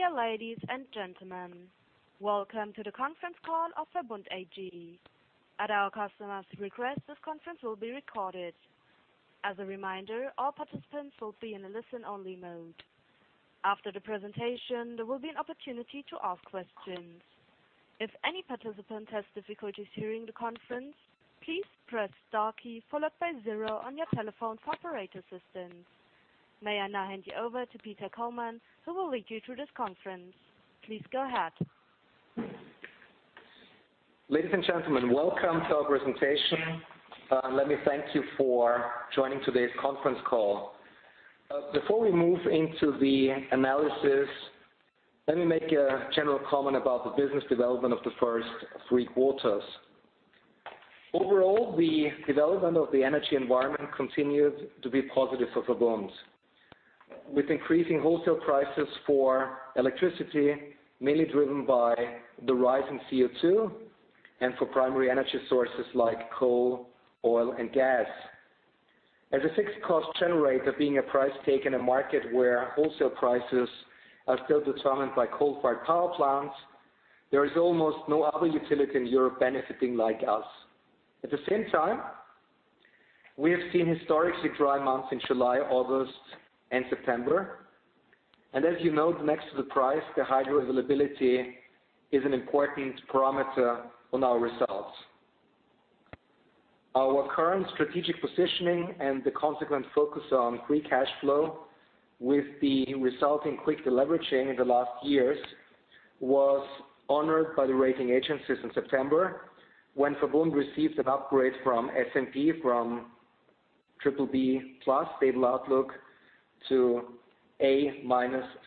Dear ladies and gentlemen. Welcome to the conference call of VERBUND AG. At our customer's request, this conference will be recorded. As a reminder, all participants will be in a listen-only mode. After the presentation, there will be an opportunity to ask questions. If any participant has difficulties hearing the conference, please press star key followed by zero on your telephone for operator assistance. May I now hand you over to Peter Kollmann, who will lead you through this conference. Please go ahead. Ladies and gentlemen, welcome to our presentation. Let me thank you for joining today's conference call. Before we move into the analysis, let me make a general comment about the business development of the first three quarters. Overall, the development of the energy environment continued to be positive for VERBUND. With increasing wholesale prices for electricity, mainly driven by the rise in CO2 and for primary energy sources like coal, oil and gas. As a fixed cost generator being a price take in a market where wholesale prices are still determined by coal-fired power plants, there is almost no other utility in Europe benefiting like us. At the same time, we have seen historically dry months in July, August and September. As you know, next to the price, the hydro availability is an important parameter on our results. Our current strategic positioning and the consequent focus on free cash flow with the resulting quick deleveraging in the last years was honored by the rating agencies in September, when VERBUND received an upgrade from S&P from BBB+ stable outlook to A-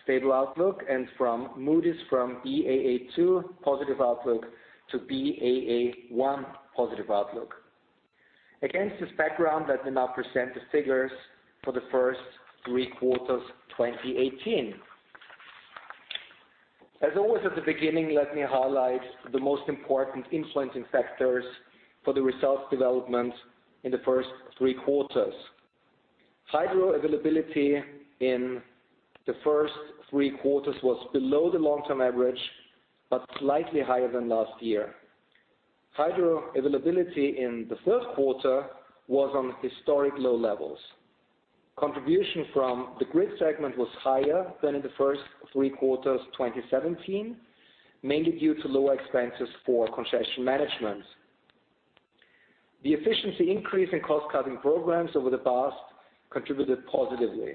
stable outlook, and from Moody's from Baa2 positive outlook to Baa1 positive outlook. Against this background, let me now present the figures for the first three quarters, 2018. As always at the beginning, let me highlight the most important influencing factors for the results development in the first three quarters. Hydro availability in the first three quarters was below the long-term average, but slightly higher than last year. Hydro availability in the third quarter was on historic low levels. Contribution from the grid segment was higher than in the first three quarters 2017, mainly due to lower expenses for congestion management. The efficiency increase in cost-cutting programs over the past contributed positively.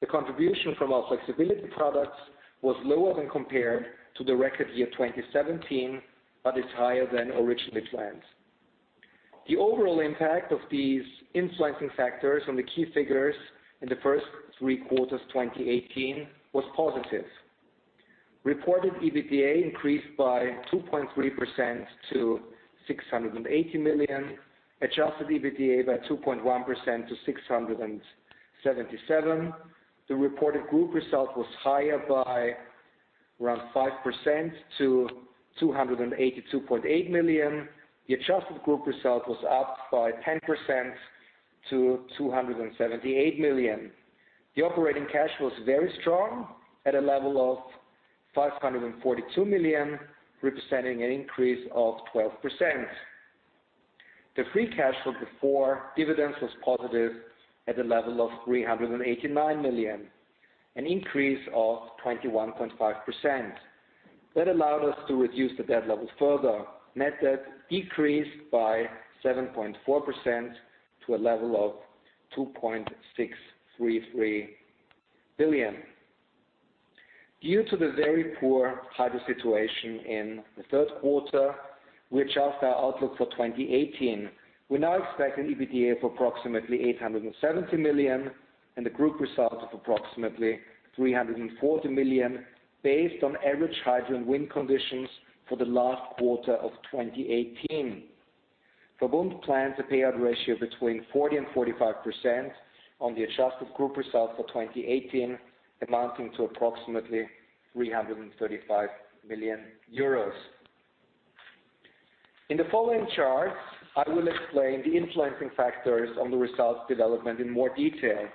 The contribution from our flexibility products was lower when compared to the record year 2017, but is higher than originally planned. The overall impact of these influencing factors on the key figures in the first three quarters 2018 was positive. Reported EBITDA increased by 2.3% to 680 million, adjusted EBITDA by 2.1% to 677 million. The reported group result was higher by around 5% to 282.8 million. The adjusted group result was up by 10% to 278 million. The operating cash flow was very strong at a level of 542 million, representing an increase of 12%. The free cash flow before dividends was positive at a level of 389 million, an increase of 21.5%. That allowed us to reduce the debt level further. Net debt decreased by 7.4% to a level of 2.633 billion. Due to the very poor hydro situation in the third quarter, we adjust our outlook for 2018. We now expect an EBITDA of approximately 870 million and a group result of approximately 340 million based on average hydro and wind conditions for the last quarter of 2018. VERBUND plans a payout ratio between 40%-45% on the adjusted group result for 2018, amounting to approximately EUR 335 million. In the following charts, I will explain the influencing factors on the results development in more detail.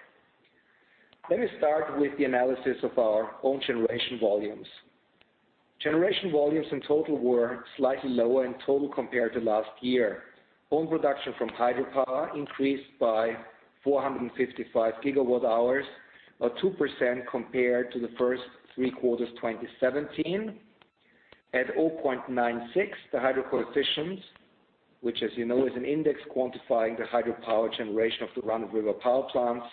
Let me start with the analysis of our own generation volumes. Generation volumes in total were slightly lower in total compared to last year. Own production from hydropower increased by 455 GWh or 2% compared to the first three quarters 2017. At 0.96, the hydro coefficients, which as you know is an index quantifying the hydropower generation of the run-of-river power plants,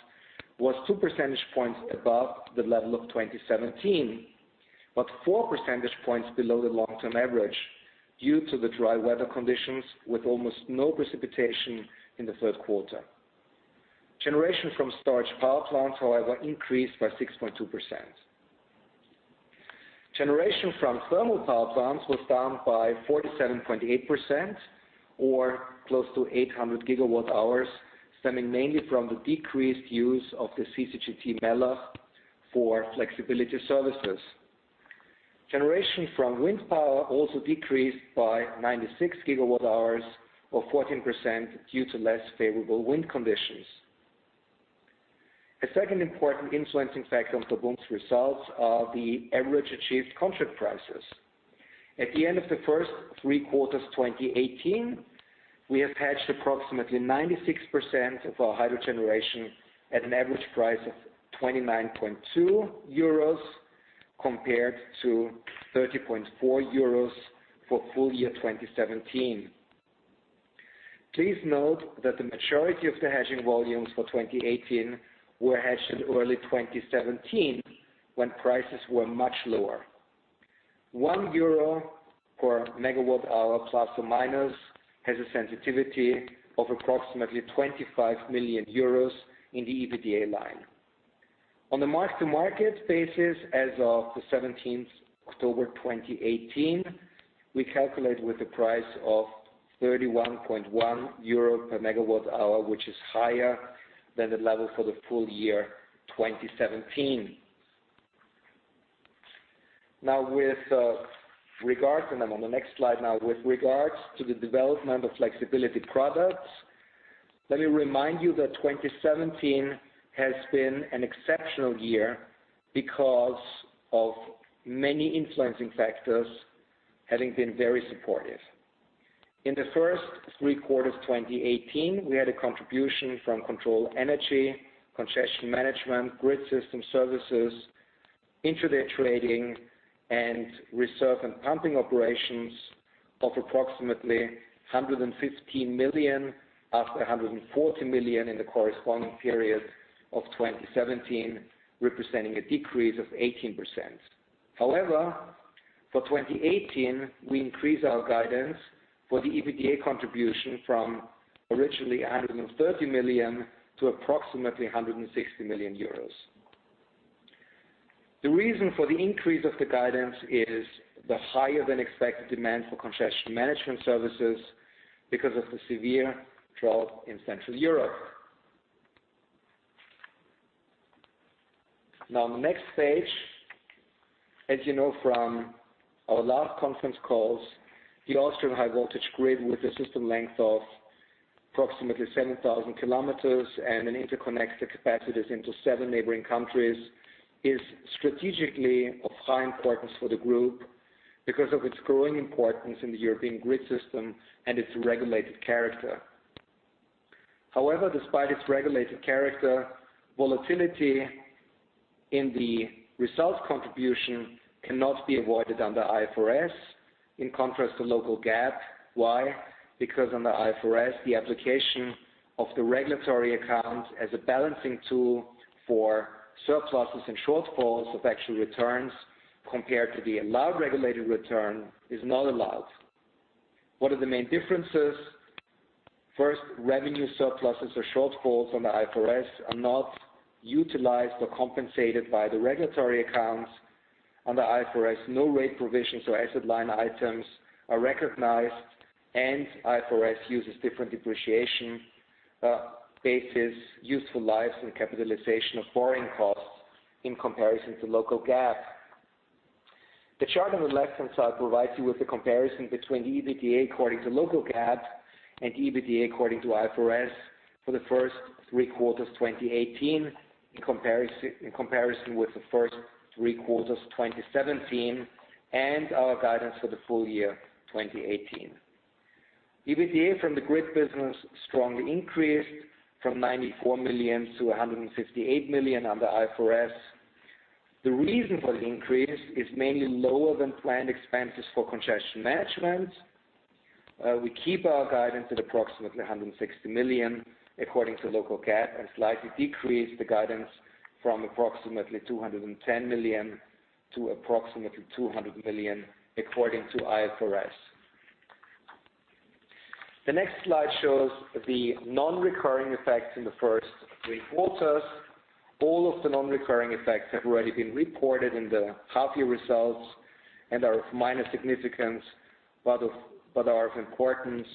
was 2 percentage points above the level of 2017, but 4 percentage points below the long-term average due to the dry weather conditions with almost no precipitation in the third quarter. Generation from storage power plants, however, increased by 6.2%. Generation from thermal power plants was down by 47.8% or close to 800 GWh, stemming mainly from the decreased use of the CCGT Mellach for flexibility services. Generation from wind power also decreased by 96 GWh or 14% due to less favorable wind conditions. A second important influencing factor on VERBUND's results are the average achieved contract prices. At the end of the first three quarters 2018, we have hedged approximately 96% of our hydro generation at an average price of 29.2 euros compared to 30.4 euros for full year 2017. Please note that the majority of the hedging volumes for 2018 were hedged in early 2017, when prices were much lower. 1 euro per megawatt hour plus or minus has a sensitivity of approximately 25 million euros in the EBITDA line. On the mark-to-market basis as of the October 17th, 2018, we calculate with a price of 31.1 euro per megawatt hour, which is higher than the level for the full year 2017. With regards to the development of flexibility products, let me remind you that 2017 has been an exceptional year because of many influencing factors having been very supportive. In the first three quarters 2018, we had a contribution from control energy, congestion management, grid system services, intraday trading, and reserve and pumping operations of approximately 115 million after 140 million in the corresponding period of 2017, representing a decrease of 18%. For 2018, we increase our guidance for the EBITDA contribution from originally 130 million to approximately 160 million euros. The reason for the increase of the guidance is the higher than expected demand for congestion management services because of the severe drought in Central Europe. Next page. As you know from our last conference calls, the Austrian high voltage grid, with a system length of approximately 7,000 kilometers and an interconnected capacities into seven neighboring countries, is strategically of high importance for the group because of its growing importance in the European grid system and its regulated character. Despite its regulated character, volatility in the results contribution cannot be avoided under IFRS, in contrast to local GAAP. Why? Under IFRS, the application of the regulatory account as a balancing tool for surpluses and shortfalls of actual returns compared to the allowed regulated return is not allowed. What are the main differences? First, revenue surpluses or shortfalls on the IFRS are not utilized or compensated by the regulatory accounts. Under IFRS, no rate provisions or asset line items are recognized, and IFRS uses different depreciation bases, useful lives, and capitalization of borrowing costs in comparison to local GAAP. The chart on the left-hand side provides you with the comparison between the EBITDA according to local GAAP and EBITDA according to IFRS for the first three quarters 2018 in comparison with the first three quarters 2017 and our guidance for the full year 2018. EBITDA from the grid business strongly increased from 94 million to 158 million under IFRS. The reason for the increase is mainly lower than planned expenses for congestion management. We keep our guidance at approximately 160 million according to local GAAP and slightly decrease the guidance from approximately 210 million to approximately 200 million according to IFRS. The next slide shows the non-recurring effects in the first three quarters. All of the non-recurring effects have already been reported in the half year results and are of minor significance, are of importance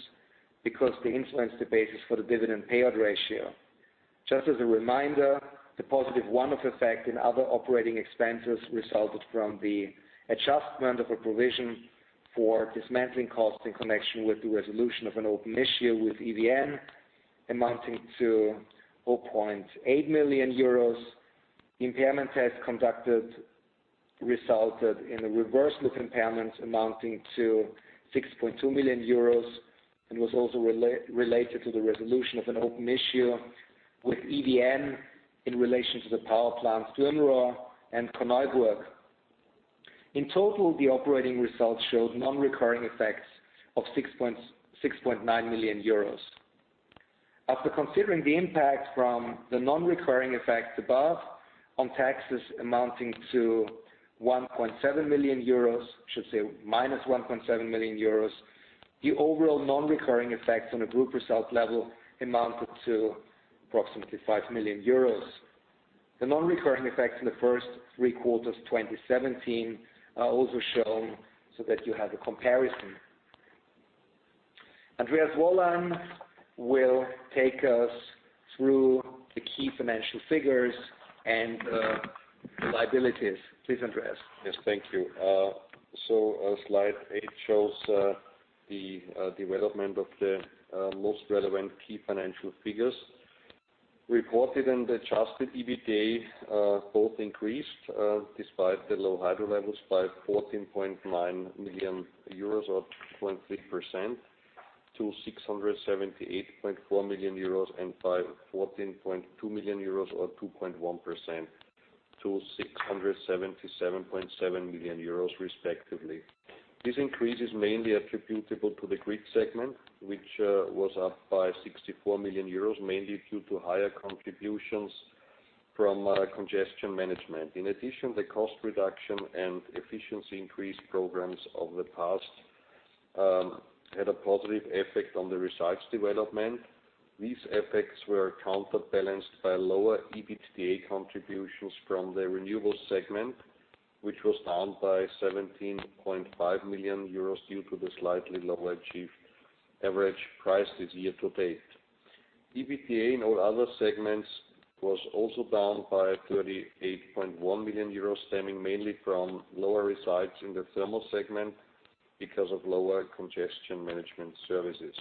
because they influence the basis for the dividend payout ratio. Just as a reminder, the positive one-off effect in other operating expenses resulted from the adjustment of a provision for dismantling costs in connection with the resolution of an open issue with EVN amounting to 0.8 million euros. Impairment test conducted resulted in a reverse book impairment amounting to 6.2 million euros and was also related to the resolution of an open issue with EVN in relation to the power plants Limmer and Korneuburg. In total, the operating results showed non-recurring effects of 6.9 million euros. After considering the impact from the non-recurring effects above on taxes amounting to 1.7 million euros, should say minus 1.7 million euros, the overall non-recurring effects on a group result level amounted to approximately 5 million euros. The non-recurring effects in the first three quarters 2017 are also shown so that you have a comparison. Andreas Wollein will take us through the key financial figures and the liabilities. Please, Andreas. Thank you. Slide eight shows the development of the most relevant key financial figures. Reported and adjusted EBITDA both increased despite the low hydro levels by 14.9 million euros or 2.3% to 678.4 million euros and by 14.2 million euros or 2.1% to 677.7 million euros respectively. This increase is mainly attributable to the grid segment, which was up by 64 million euros, mainly due to higher contributions from congestion management. In addition, the cost reduction and efficiency increase programs of the past had a positive effect on the results development. These effects were counterbalanced by lower EBITDA contributions from the renewables segment, which was down by 17.5 million euros due to the slightly lower achieved average price this year to date. EBITDA in all other segments was also down by 38.1 million euros, stemming mainly from lower results in the thermal segment because of lower congestion management services.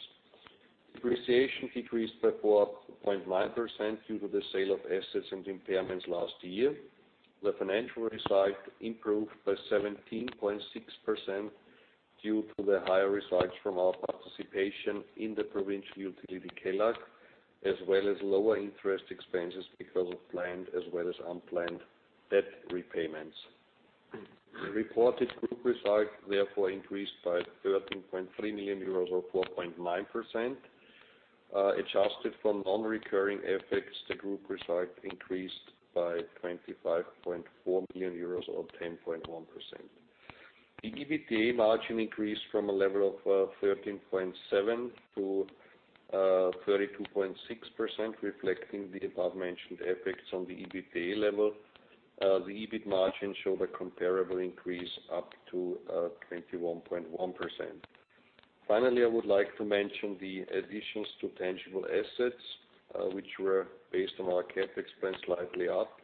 Depreciation decreased by 4.9% due to the sale of assets and impairments last year. The financial result improved by 17.6% due to the higher results from our participation in the provincial utility Kelag, as well as lower interest expenses because of planned as well as unplanned debt repayments. The reported group result therefore increased by 13.3 million euros or 4.9%. Adjusted for non-recurring effects, the group result increased by 25.4 million euros or 10.1%. The EBITDA margin increased from a level of 13.7%-32.6%, reflecting the above-mentioned effects on the EBITDA level. The EBIT margin showed a comparable increase up to 21.1%. I would like to mention the additions to tangible assets, which were based on our CapEx spend slightly up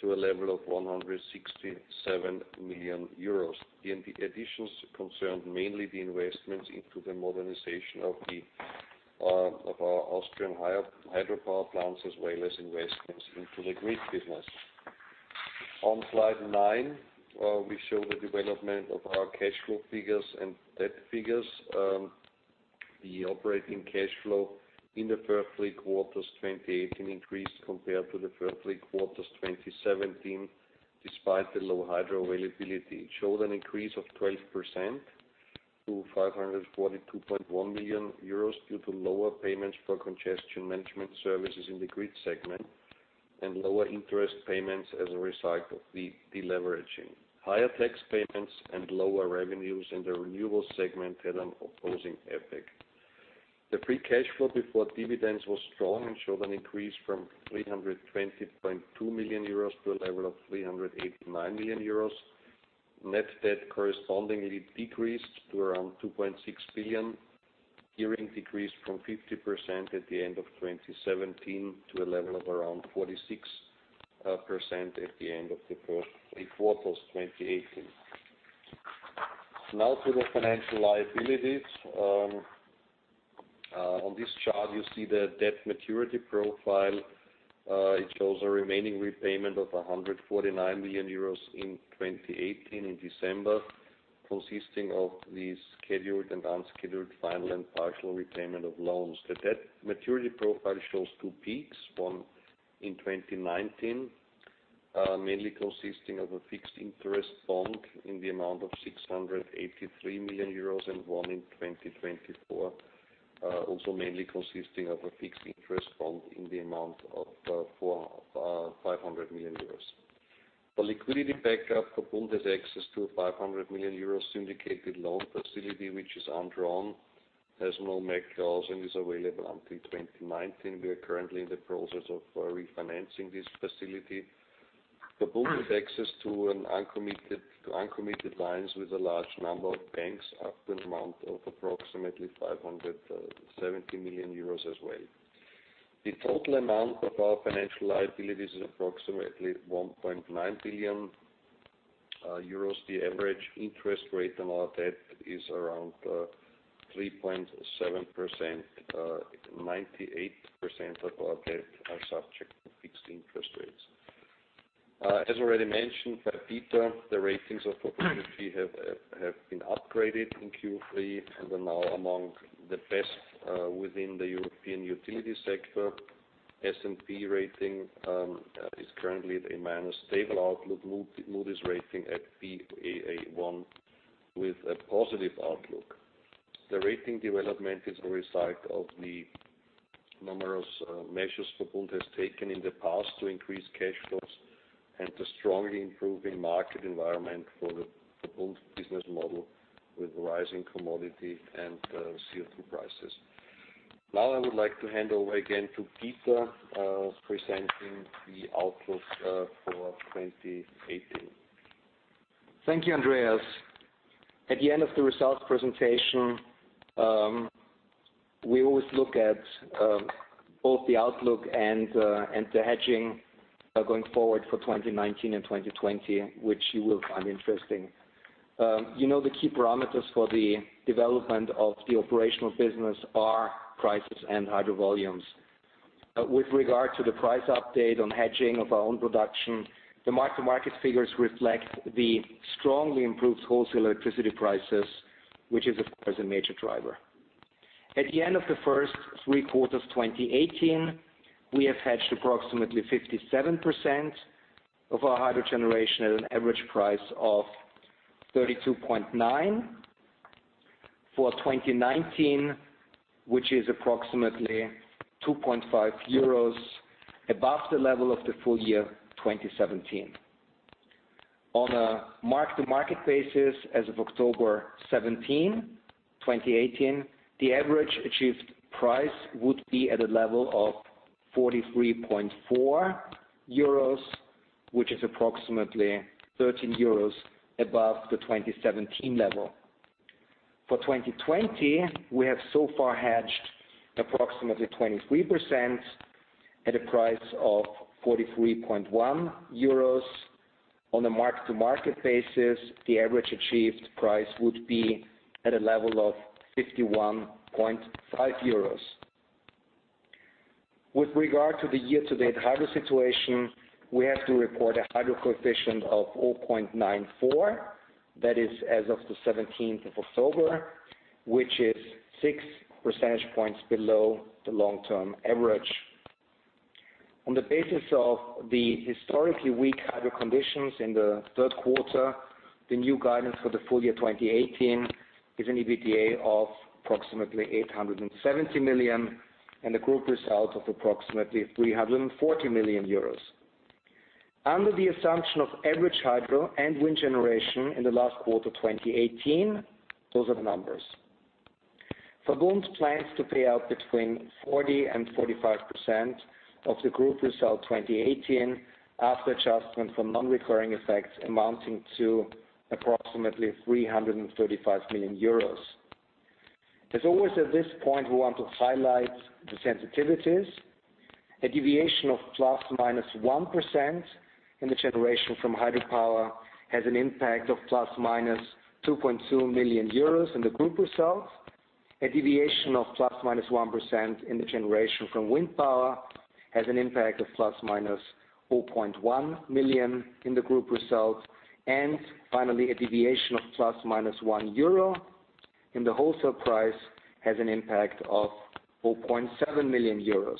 to a level of 167 million euros. The additions concerned mainly the investments into the modernization of our Austrian hydropower plants, as well as investments into the grid business. On slide nine, we show the development of our cash flow figures and debt figures. The operating cash flow in the first three quarters 2018 increased compared to the first three quarters 2017, despite the low hydro availability. It showed an increase of 12% to 542.1 million euros due to lower payments for congestion management services in the grid segment and lower interest payments as a result of the deleveraging. Higher tax payments and lower revenues in the renewables segment had an opposing effect. The free cash flow before dividends was strong and showed an increase from 320.2 million euros to a level of 389 million euros. Net debt correspondingly decreased to around 2.6 billion, gearing decreased from 50% at the end of 2017 to a level of around 46% at the end of the first three quarters 2018. Now to the financial liabilities. On this chart, you see the debt maturity profile. It shows a remaining repayment of 149 million euros in 2018 in December, consisting of the scheduled and unscheduled final and partial repayment of loans. The debt maturity profile shows two peaks, one in 2019, mainly consisting of a fixed interest bond in the amount of 683 million euros and one in 2024, also mainly consisting of a fixed interest bond in the amount of 500 million euros. For liquidity backup, VERBUND has access to a 500 million euro syndicated loan facility, which is undrawn, has no make-whole clause and is available until 2019. We are currently in the process of refinancing this facility. VERBUND has access to uncommitted lines with a large number of banks up to an amount of approximately 570 million euros as well. The total amount of our financial liabilities is approximately 1.9 billion euros. The average interest rate on our debt is around 3.7%. 98% of our debt are subject to fixed interest rates. As already mentioned by Peter, the ratings of VERBUND have been upgraded in Q3 and are now among the best within the European utility sector. S&P rating is currently at a stable outlook. Moody's rating at Baa1 with a positive outlook. The rating development is a result of the numerous measures VERBUND has taken in the past to increase cash flows and to strongly improve the market environment for the VERBUND business model with rising commodity and CO2 prices. Now I would like to hand over again to Peter, presenting the outlook for 2018. Thank you, Andreas. At the end of the results presentation, we always look at both the outlook and the hedging going forward for 2019 and 2020, which you will find interesting. You know the key parameters for the development of the operational business are prices and hydro volumes. With regard to the price update on hedging of our own production, the mark-to-market figures reflect the strongly improved wholesale electricity prices, which is, of course, a major driver. At the end of the first three quarters 2018, we have hedged approximately 57% of our hydro generation at an average price of 32.9 for 2019, which is approximately 2.5 euros above the level of the full year 2017. On a mark-to-market basis as of October 17, 2018, the average achieved price would be at a level of 43.4 euros, which is approximately 13 euros above the 2017 level. For 2020, we have so far hedged approximately 23% at a price of 43.1 euros. On a mark-to-market basis, the average achieved price would be at a level of 51.5 euros. With regard to the year-to-date hydro situation, we have to report a hydro coefficient of 0.94. That is as of the 17th of October, which is 6 percentage points below the long-term average. On the basis of the historically weak hydro conditions in the third quarter, the new guidance for the full year 2018 is an EBITDA of approximately 870 million, and a group result of approximately 340 million euros. Under the assumption of average hydro and wind generation in the last quarter 2018, those are the numbers. VERBUND plans to pay out between 40% and 45% of the group result 2018 after adjustment from non-recurring effects amounting to approximately 335 million euros. As always at this point, we want to highlight the sensitivities. A deviation of ±1% in the generation from hydropower has an impact of ±2.2 million euros in the group results. A deviation of ±1% in the generation from wind power has an impact of ±0.1 million in the group results. Finally, a deviation of ±1 euro in the wholesale price has an impact of 4.7 million euros.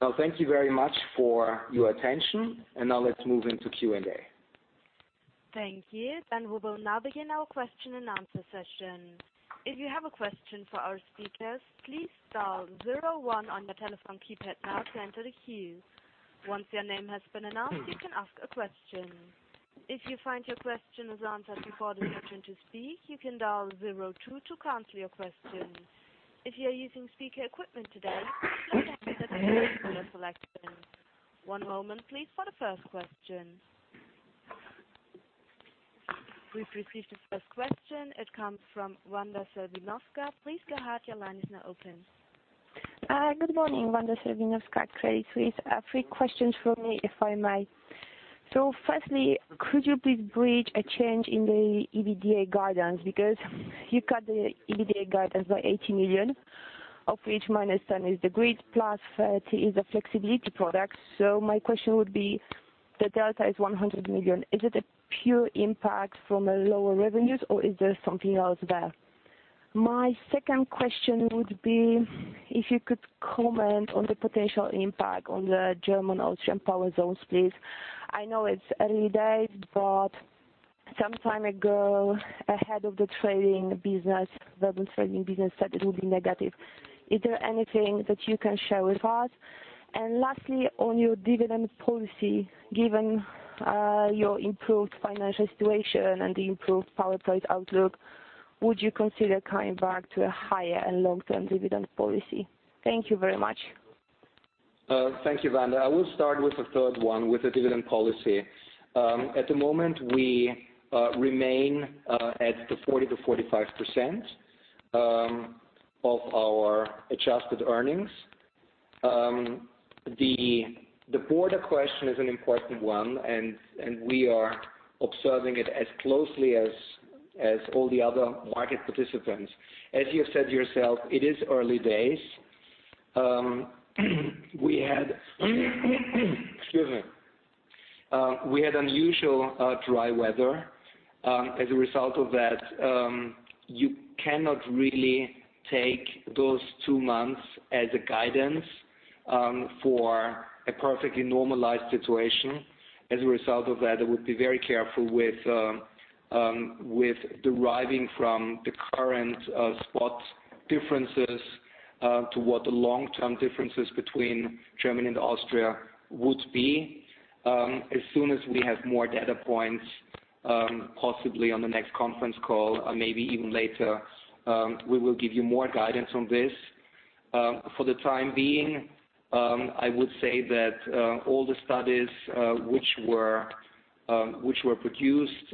Now thank you very much for your attention, let's move into Q&A. Thank you. We will now begin our question-and-answer session. If you have a question for our speakers, please dial zero one on your telephone keypad now to enter the queue. Once your name has been announced, you can ask a question. If you find your question is answered before the opportunity to speak, you can dial zero two to cancel your question. If you are using speaker equipment today, please One moment please for the first question. We've received the first question. It comes from Wanda Serwinowska. Please go ahead, your line is now open. Good morning, Wanda Serwinowska, Credit Suisse. Three questions from me, if I may. Firstly, could you please bridge a change in the EBITDA guidance? Because you cut the EBITDA guidance by 80 million, of which minus 10 million is the grid, plus 30 million is the flexibility product. My question would be, the delta is 100 million. Is it a pure impact from lower revenues, or is there something else there? My second question would be if you could comment on the potential impact on the German-Austrian power zones, please. I know it's early days, but some time ago, ahead of the trading business, VERBUND trading business said it will be negative. Is there anything that you can share with us? Lastly, on your dividend policy, given your improved financial situation and the improved power price outlook, would you consider coming back to a higher and long-term dividend policy? Thank you very much. Thank you, Wanda. I will start with the third one, with the dividend policy. At the moment, we remain at the 40%-45% of our adjusted earnings. The border question is an important one. We are observing it as closely as all the other market participants. You have said yourself, it is early days. Excuse me. We had unusual dry weather. As a result of that, you cannot really take those two months as a guidance for a perfectly normalized situation. As a result of that, I would be very careful with deriving from the current spot differences to what the long-term differences between Germany and Austria would be. As soon as we have more data points, possibly on the next conference call, or maybe even later, we will give you more guidance on this. For the time being, I would say that all the studies which were produced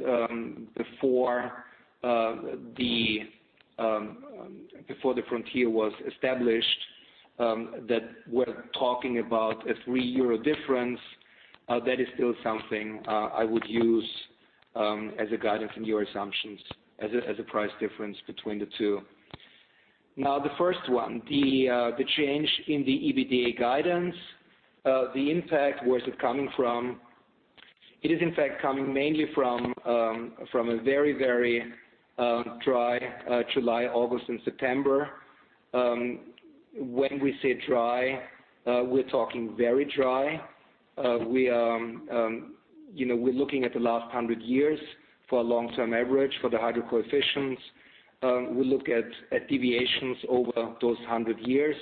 before the frontier was established, that we're talking about a 3 euro difference. That is still something I would use as a guidance in your assumptions, as a price difference between the two. The first one, the change in the EBITDA guidance, the impact, where is it coming from? It is in fact coming mainly from a very dry July, August, and September. When we say dry, we're talking very dry. We're looking at the last 100 years for a long-term average for the hydro coefficients. We look at deviations over those 100 years.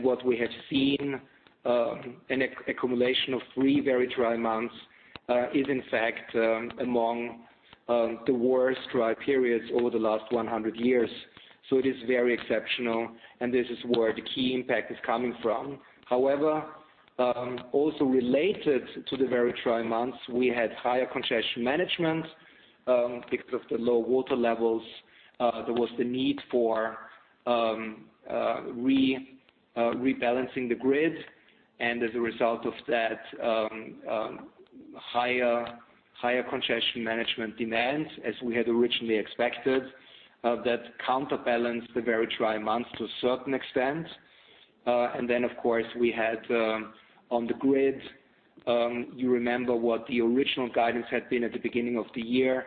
What we have seen, an accumulation of three very dry months is in fact among the worst dry periods over the last 100 years. It is very exceptional, and this is where the key impact is coming from. However, also related to the very dry months, we had higher congestion management. Because of the low water levels, there was the need for rebalancing the grid, and as a result of that, higher congestion management demand as we had originally expected. That counterbalanced the very dry months to a certain extent. Of course, we had on the grid, you remember what the original guidance had been at the beginning of the year.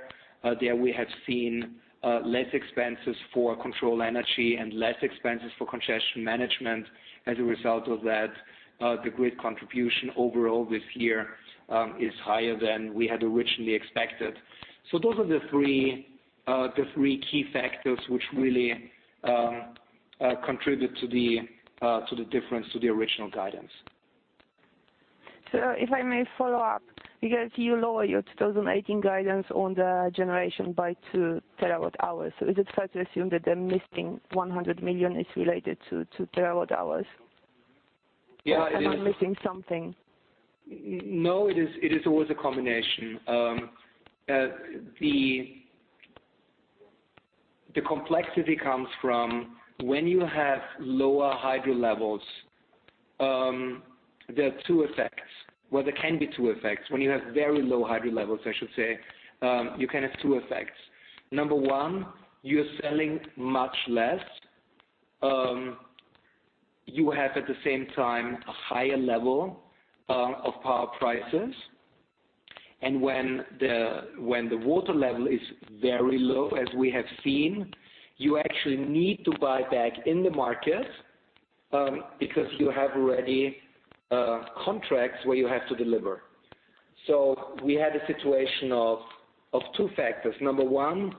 There we have seen less expenses for control energy and less expenses for congestion management. The grid contribution overall this year is higher than we had originally expected. Those are the three key factors which really contribute to the difference to the original guidance. If I may follow up, because you lower your 2018 guidance on the generation by two terawatt hours, so is it fair to assume that the missing 100 million is related to terawatt hours? Yeah. Am I missing something? No, it is always a combination. The complexity comes from when you have lower hydro levels, there are two effects. Well, there can be two effects. When you have very low hydro levels, I should say, you can have two effects. Number one, you are selling much less. You have, at the same time, a higher level of power prices. When the water level is very low, as we have seen, you actually need to buy back in the market, because you have already contracts where you have to deliver. We had a situation of two factors. Number one,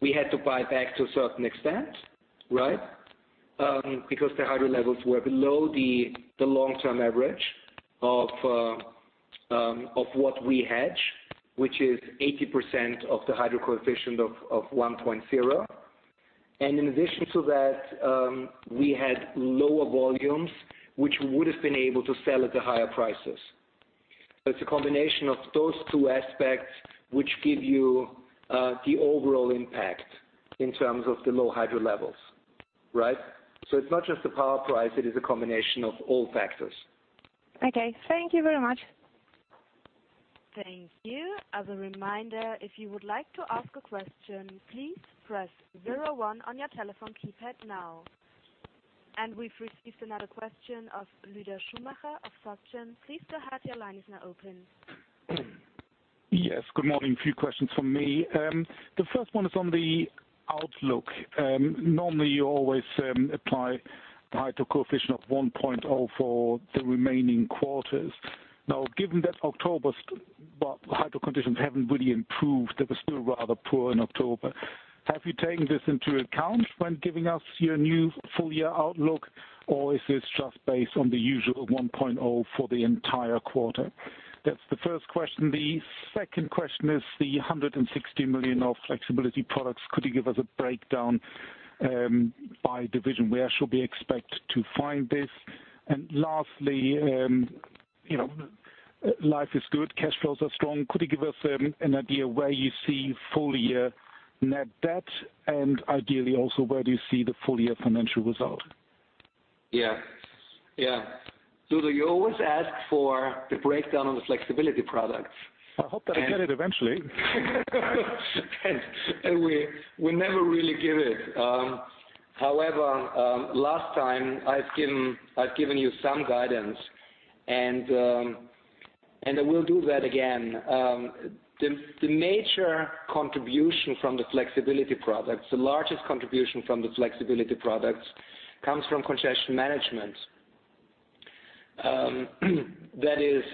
we had to buy back to a certain extent, right? Because the hydro levels were below the long-term average of what we hedge, which is 80% of the hydro coefficient of 1.0. In addition to that, we had lower volumes, which we would've been able to sell at the higher prices. It's a combination of those two aspects which give you the overall impact in terms of the low hydro levels. Right? It's not just the power price, it is a combination of all factors. Okay. Thank you very much. Thank you. As a reminder, if you would like to ask a question, please press zero one on your telephone keypad now. We've received another question of Ludo Schumacher of Susquehanna. Please go ahead, your line is now open. Yes, good morning. A few questions from me. The first one is on the outlook. Normally, you always apply the hydro coefficient of 1.0 for the remaining quarters. Now, given that October's hydro conditions haven't really improved, they were still rather poor in October. Have you taken this into account when giving us your new full-year outlook, or is this just based on the usual 1.0 for the entire quarter? That's the first question. The second question is the 160 million of flexibility products. Could you give us a breakdown by division? Where should we expect to find this? Lastly, life is good, cash flows are strong. Could you give us an idea where you see full-year net debt, and ideally also where do you see the full-year financial result? Yeah. Ludo, you always ask for the breakdown on the flexibility products. I hope that I get it eventually. We never really give it. However, last time I've given you some guidance, and I will do that again. The major contribution from the flexibility products, the largest contribution from the flexibility products comes from congestion management. That is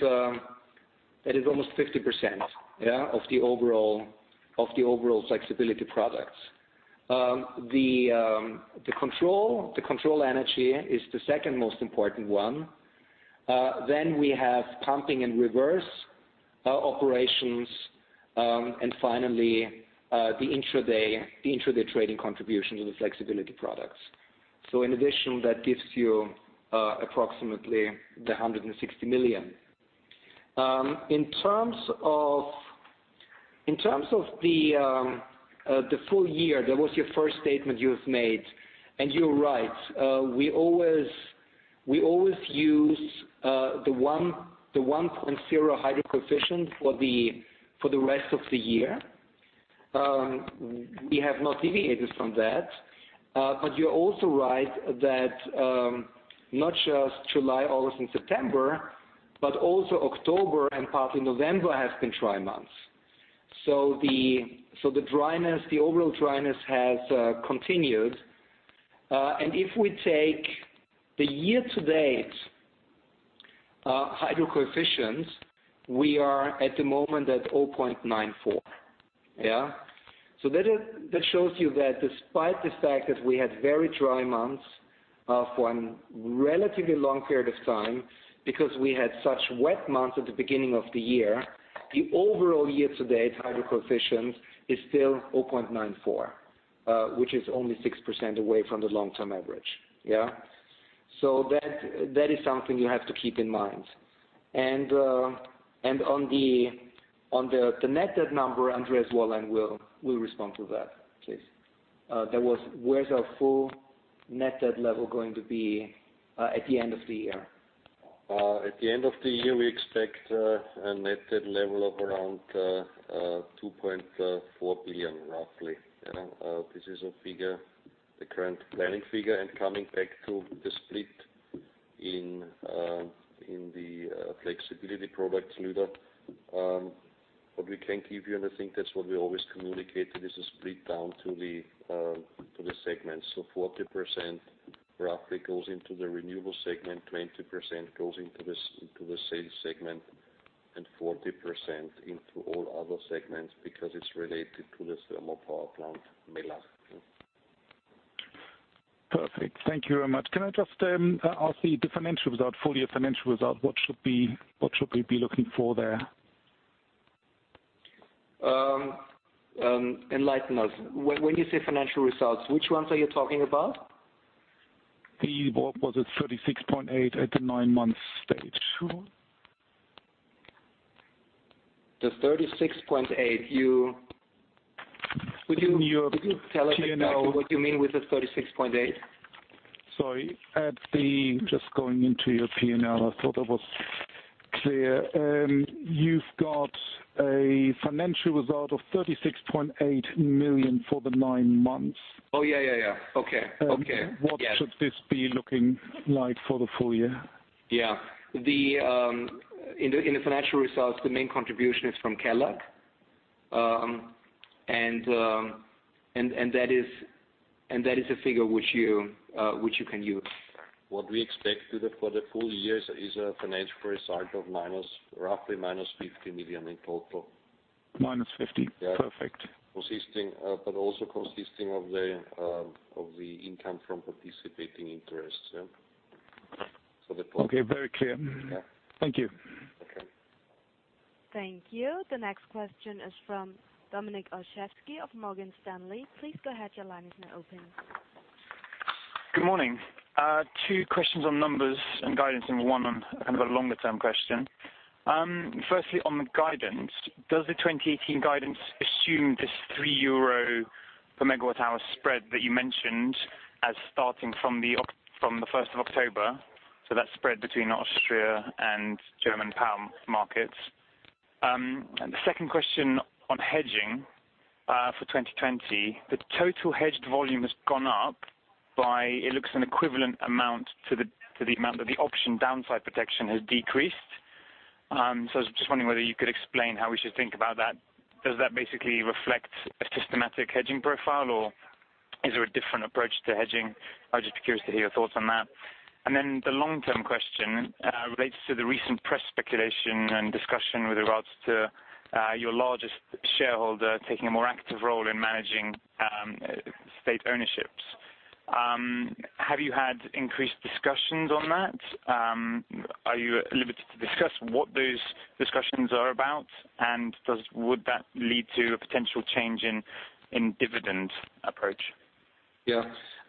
almost 50% of the overall flexibility products. The control energy is the second most important one. Then we have pumping and reverse operations, and finally, the intraday trading contribution to the flexibility products. In addition, that gives you approximately the 160 million. In terms of the full year, that was your first statement you have made, and you're right. We always use the 1.0 hydro coefficient for the rest of the year. We have not deviated from that. You're also right that not just July, August, and September, but also October and partly November have been dry months. The overall dryness has continued. If we take the year-to-date hydro coefficients, we are at the moment at 0.94. That shows you that despite the fact that we had very dry months for a relatively long period of time, because we had such wet months at the beginning of the year, the overall year-to-date hydro coefficient is still 0.94, which is only 6% away from the long-term average. That is something you have to keep in mind. On the net debt number, Andreas Wollein will respond to that, please. Where's our full net debt level going to be at the end of the year? At the end of the year, we expect a net debt level of around 2.4 billion, roughly. This is the current planning figure. Coming back to the split in the flexibility products, Ludo. What we can give you, and I think that's what we always communicated, is a split down to the segments. 40% roughly goes into the renewable segment, 20% goes into the sales segment, and 40% into all other segments because it's related to the thermal power plant, Mellach. Perfect. Thank you very much. Can I just ask the full-year financial result, what should we be looking for there? Enlighten us. When you say financial results, which ones are you talking about? The EBIT was at 36.8 at the nine-month stage. The 36.8, would you tell us exactly what you mean with the 36.8? Sorry. Just going into your P&L, I thought I was clear. You've got a financial result of 36.8 million for the nine months. Oh, yeah. Okay. What should this be looking like for the full year? Yeah. In the financial results, the main contribution is from Kelag. That is a figure which you can use. What we expect for the full year is a financial result of roughly -50 million in total. -50 million. Yeah. Perfect. Also consisting of the income from participating interests. Okay. Very clear. Yeah. Thank you. Okay. Thank you. The next question is from Dominik Olszewski of Morgan Stanley. Please go ahead, your line is now open. Good morning. Two questions on numbers and guidance and one on kind of a longer-term question. Firstly, on the guidance, does the 2018 guidance assume this 3 euro per megawatt hour spread that you mentioned as starting from October 1st? That spread between Austria and German power markets. The second question on hedging for 2020, the total hedged volume has gone up by, it looks an equivalent amount to the amount that the option downside protection has decreased. I was just wondering whether you could explain how we should think about that. Does that basically reflect a systematic hedging profile, or is there a different approach to hedging? I was just curious to hear your thoughts on that. The long-term question relates to the recent press speculation and discussion with regards to your largest shareholder taking a more active role in managing state ownerships. Have you had increased discussions on that? Are you limited to discuss what those discussions are about? Would that lead to a potential change in dividend approach?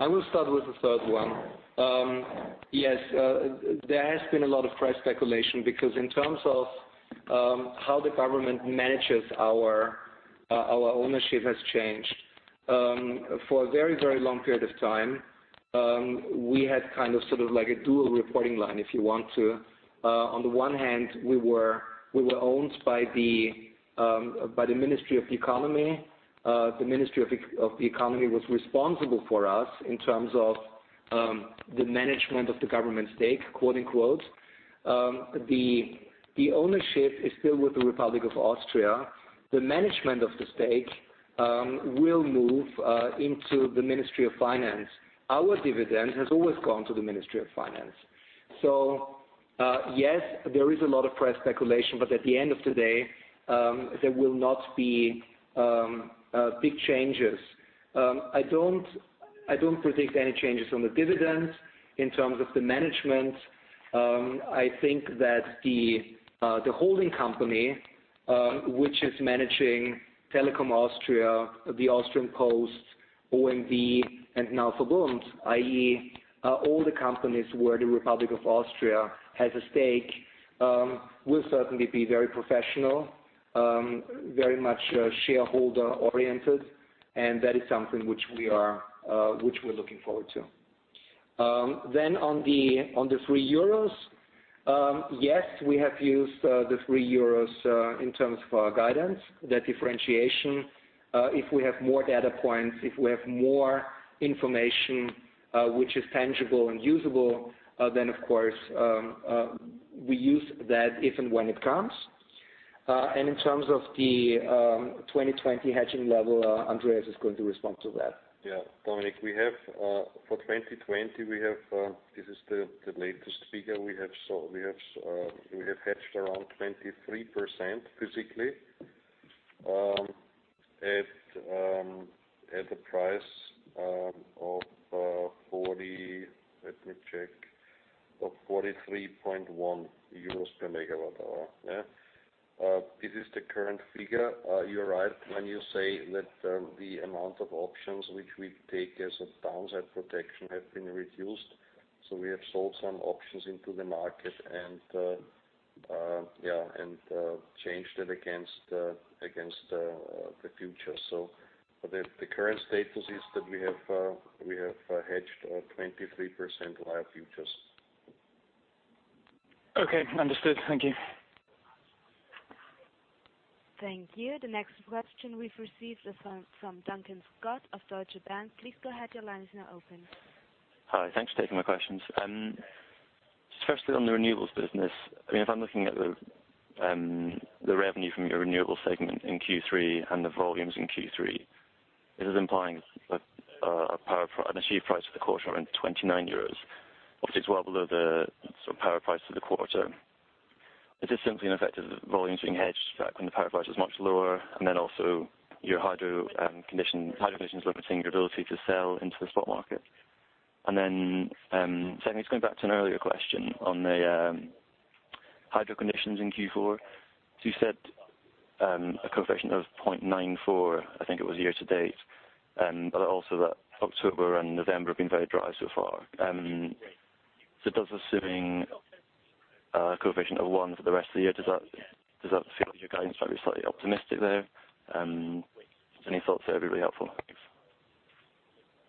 I will start with the third one. Yes, there has been a lot of press speculation because in terms of how the government manages our ownership has changed. For a very long period of time, we had kind of sort of like a dual reporting line, if you want to. On the one hand, we were owned by the Ministry of Economy. The Ministry of Economy was responsible for us in terms of the management of the government stake, quote-unquote. The ownership is still with the Republic of Austria. The management of the stake will move into the Ministry of Finance. Our dividend has always gone to the Ministry of Finance. Yes, there is a lot of press speculation, but at the end of the day, there will not be big changes. I don't predict any changes on the dividends. In terms of the management, I think that the holding company, which is managing Telekom Austria, the Austrian Posts, OMV, and now VERBUND, i.e., all the companies where the Republic of Austria has a stake, will certainly be very professional, very much shareholder-oriented, and that is something which we're looking forward to. On the 3 euros, yes, we have used the 3 euros in terms of our guidance, that differentiation. If we have more data points, if we have more information, which is tangible and usable, then of course, we use that if and when it comes. In terms of the 2020 hedging level, Andreas is going to respond to that. Dominik, for 2020, this is the latest figure we have. We have hedged around 23% physically, at a price of EUR 43.1 per megawatt hour. This is the current figure. You're right when you say that the amount of options which we take as a downside protection have been reduced. We have sold some options into the market and changed it against the futures. The current status is that we have hedged all 23% via futures. Okay. Understood. Thank you. Thank you. The next question we've received is from Duncan Scott of Deutsche Bank. Please go ahead. Your line is now open. Firstly, on the renewables business, if I'm looking at the revenue from your renewables segment in Q3 and the volumes in Q3, this is implying an achieved price for the quarter around 29 euros, which is well below the sort of power price for the quarter. Is this simply an effect of the volumes being hedged back when the power price was much lower, and then also your hydro conditions limiting your ability to sell into the spot market? Secondly, going back to an earlier question on the hydro conditions in Q4, you said a coefficient of 0.94, I think it was year to date, but also that October and November have been very dry so far. Does assuming a coefficient of one for the rest of the year, does that feel like your guidance might be slightly optimistic there? Any thoughts there would be really helpful. Thanks.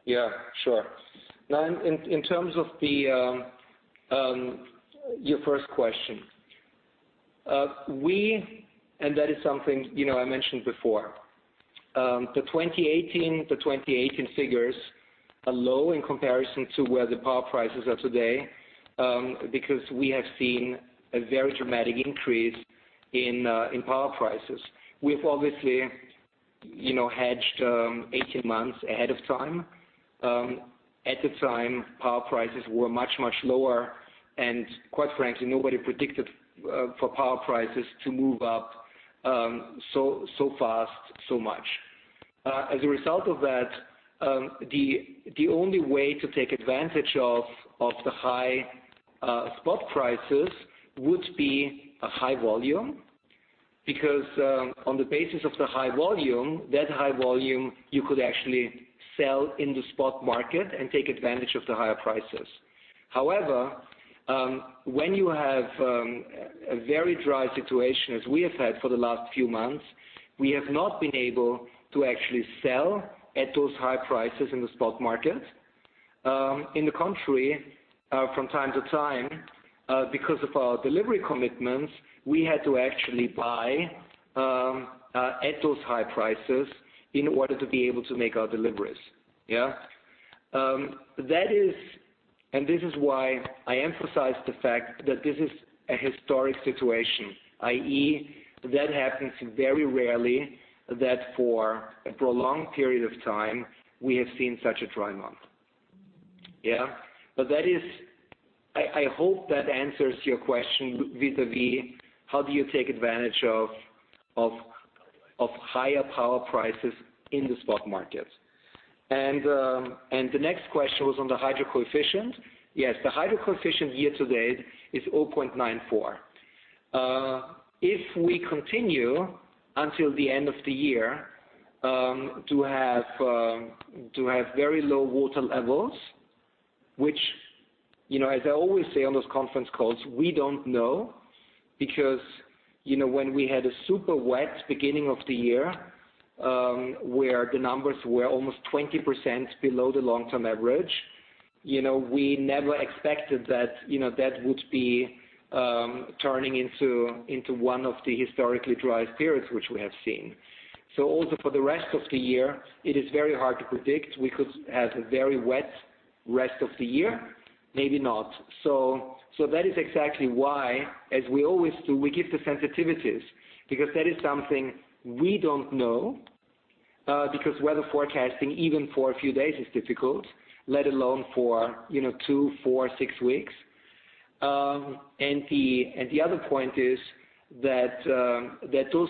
Yeah. Sure. In terms of your first question, that is something I mentioned before. The 2018 figures are low in comparison to where the power prices are today, because we have seen a very dramatic increase in power prices. We've obviously hedged 18 months ahead of time. At the time, power prices were much, much lower, and quite frankly, nobody predicted for power prices to move up so fast, so much. As a result of that, the only way to take advantage of the high spot prices would be a high volume, because on the basis of the high volume, that high volume, you could actually sell in the spot market and take advantage of the higher prices. However, when you have a very dry situation as we have had for the last few months, we have not been able to actually sell at those high prices in the spot market. In the contrary, from time to time, because of our delivery commitments, we had to actually buy at those high prices in order to be able to make our deliveries. This is why I emphasize the fact that this is a historic situation, i.e., that happens very rarely that for a prolonged period of time we have seen such a dry month. I hope that answers your question vis-a-vis how do you take advantage of higher power prices in the spot market. The next question was on the hydro coefficient. Yes, the hydro coefficient year to date is 0.94. If we continue until the end of the year to have very low water levels, which, as I always say on those conference calls, we don't know because when we had a super wet beginning of the year, where the numbers were almost 20% below the long-term average, we never expected that that would be turning into one of the historically dry periods which we have seen. Also for the rest of the year, it is very hard to predict. We could have a very wet rest of the year, maybe not. That is exactly why, as we always do, we give the sensitivities because that is something we don't know, because weather forecasting even for a few days is difficult, let alone for two, four, six weeks. The other point is that those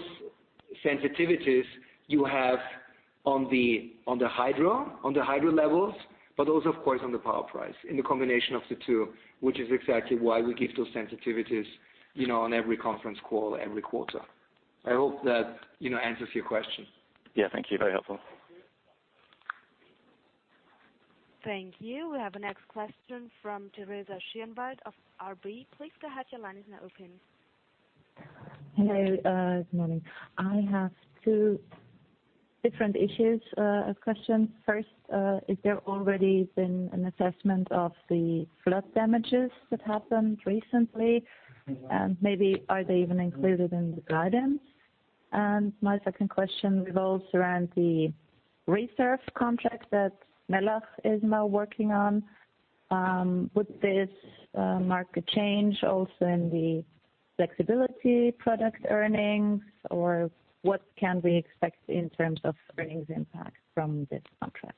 sensitivities you have on the hydro levels, but also of course, on the power price and the combination of the two, which is exactly why we give those sensitivities on every conference call, every quarter. I hope that answers your question. Yeah. Thank you. Very helpful. Thank you. We have a next question from Teresa Schinwald of RB. Please go ahead, your line is now open. Hello. Good morning. I have two different issues of questions. First, has there already been an assessment of the flood damages that happened recently? Maybe are they even included in the guidance? My second question revolves around the reserve contract that Mellach is now working on. Would this mark a change also in the flexibility product earnings, or what can we expect in terms of earnings impact from this contract?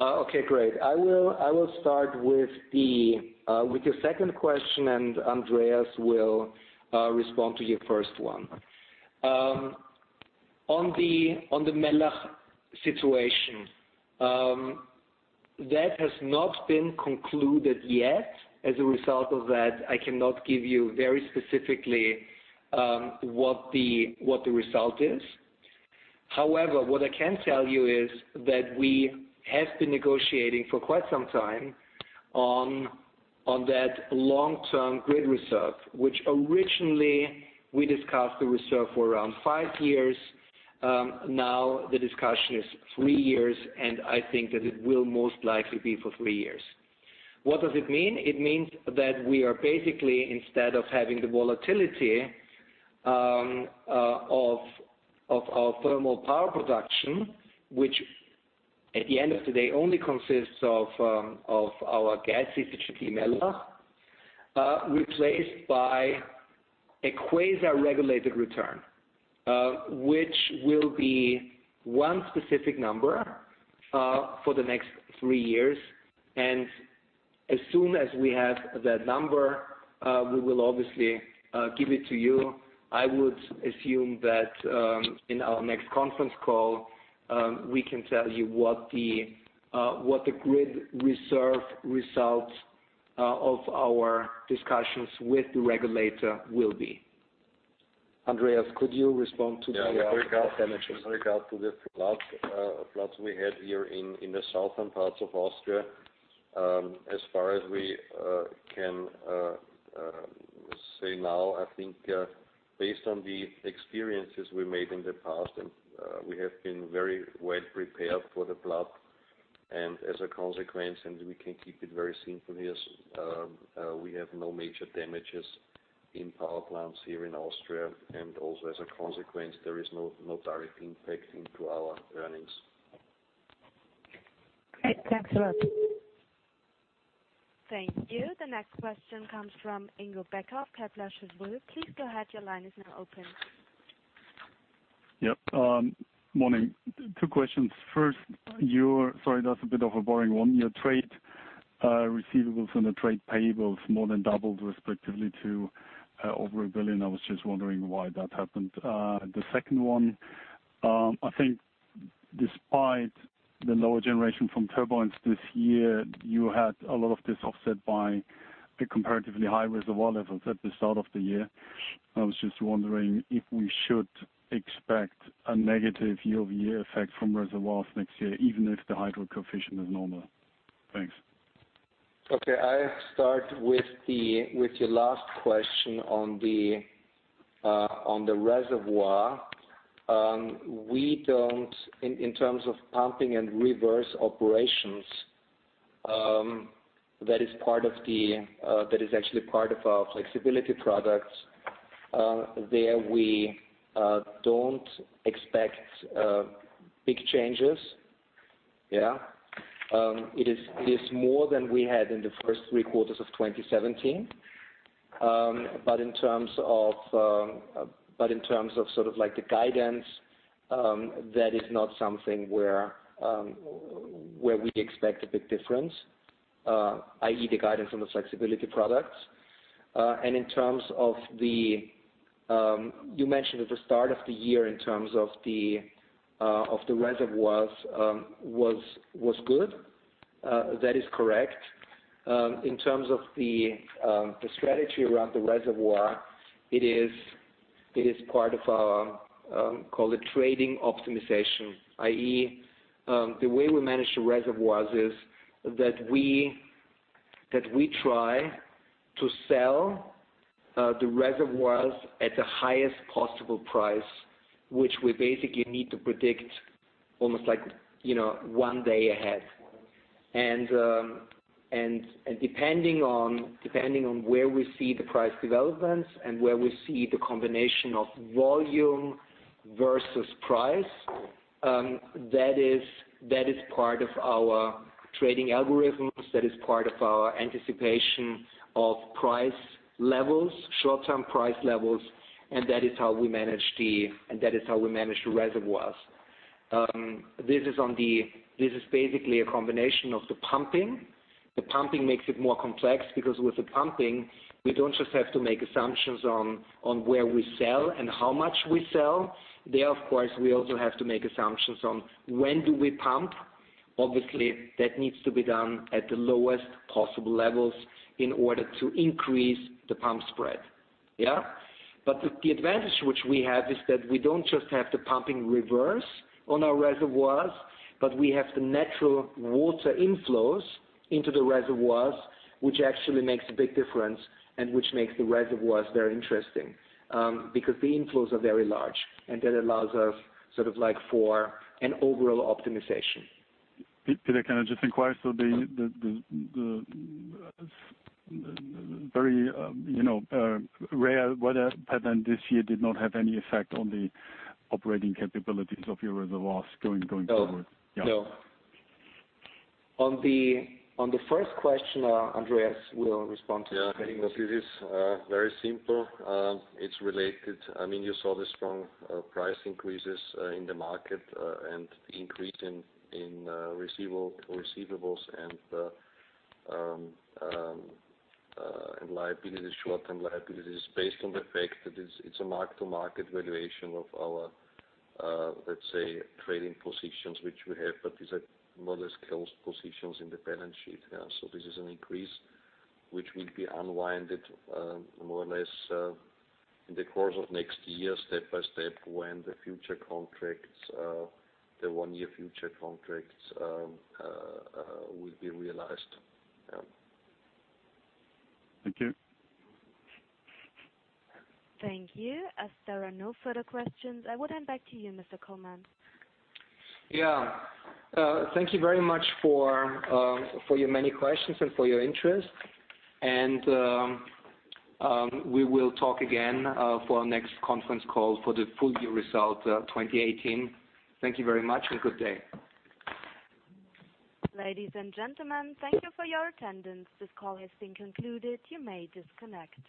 Okay, great. I will start with your second question, and Andreas will respond to your first one. On the Mellach situation. That has not been concluded yet. As a result of that, I cannot give you very specifically what the result is. However, what I can tell you is that we have been negotiating for quite some time on that long-term grid reserve, which originally we discussed the reserve for around five years. Now the discussion is three years, and I think that it will most likely be for three years. What does it mean? It means that we are basically, instead of having the volatility of our thermal power production, which at the end of the day, only consists of our gas, which should be Mellach, replaced by a quasi-regulated return, which will be one specific number for the next three years. As soon as we have that number, we will obviously give it to you. I would assume that in our next conference call, we can tell you what the grid reserve results of our discussions with the regulator will be. Andreas, could you respond to the other damages? Yes. In regard to the floods we had here in the southern parts of Austria, as far as we can say now, I think based on the experiences we made in the past, and we have been very well prepared for the flood. As a consequence, and we can keep it very simple here, we have no major damages in power plants here in Austria. Also, as a consequence, there is no direct impact into our earnings. Great. Thanks a lot. Thank you. The next question comes from Ingo Becker of Kepler Cheuvreux. Please go ahead. Your line is now open. Yep. Morning. Two questions. First, sorry, that's a bit of a boring one. Your trade receivables and the trade payables more than doubled respectively to over 1 billion. I was just wondering why that happened. The second one, I think despite the lower generation from turbines this year, you had a lot of this offset by the comparatively high reservoir levels at the start of the year. I was just wondering if we should expect a negative year-over-year effect from reservoirs next year, even if the hydro coefficient is normal. Thanks. Okay. I start with your last question on the reservoir. In terms of pumping and reverse operations, that is actually part of our flexibility products. There we don't expect big changes. It is more than we had in the first three quarters of 2017. In terms of the guidance, that is not something where we expect a big difference, i.e., the guidance on the flexibility products. You mentioned at the start of the year in terms of the reservoirs was good. That is correct. In terms of the strategy around the reservoir, it is part of our trading optimization, i.e., the way we manage the reservoirs is that we try to sell the reservoirs at the highest possible price, which we basically need to predict almost one day ahead. Depending on where we see the price developments and where we see the combination of volume versus price, that is part of our trading algorithms, that is part of our anticipation of price levels, short-term price levels, and that is how we manage the reservoirs. This is basically a combination of the pumping. The pumping makes it more complex, because with the pumping, we don't just have to make assumptions on where we sell and how much we sell. There, of course, we also have to make assumptions on when do we pump. Obviously, that needs to be done at the lowest possible levels in order to increase the pump spread. The advantage which we have is that we don't just have the pumping reverse on our reservoirs, but we have the natural water inflows into the reservoirs, which actually makes a big difference, and which makes the reservoirs very interesting. Because the inflows are very large, and that allows us for an overall optimization. Peter, can I just inquire, the very rare weather pattern this year did not have any effect on the operating capabilities of your reservoirs going forward? No. On the first question, Andreas will respond to. I think that it is very simple. It is related. You saw the strong price increases in the market, and the increase in receivables and short-term liabilities based on the fact that it is a mark-to-market valuation of our, let's say, trading positions which we have, but these are more or less closed positions in the balance sheet. This is an increase which will be unwinded more or less in the course of next year, step by step, when the one-year future contracts will be realized. Thank you. Thank you. As there are no further questions, I will hand back to you, Mr. Kollmann. Thank you very much for your many questions and for your interest. We will talk again for our next conference call for the full year result 2018. Thank you very much, and good day. Ladies and gentlemen, thank you for your attendance. This call has been concluded. You may disconnect.